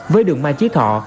với đường mai trí thọ